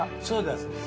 そうです。